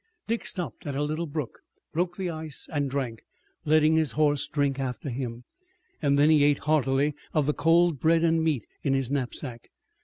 Dick stopped at a little brook, broke the ice and drank, letting his horse drink after him. Then he ate heartily of the cold bread and meat in his knapsack.